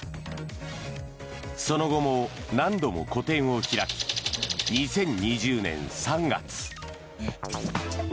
その後も何度も個展を開き２０２０年３月。